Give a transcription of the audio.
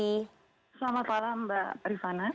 selamat malam mbak rifana